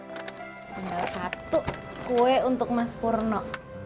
tinggal satu kue untuk mas purno